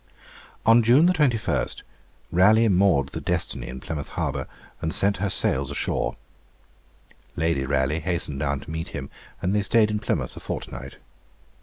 On June 21, Raleigh moored the 'Destiny' in Plymouth harbour, and sent her sails ashore. Lady Raleigh hastened down to meet him, and they stayed in Plymouth a fortnight.